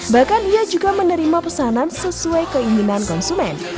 bahkan ia juga menerima pesanan sesuai keinginan konsumen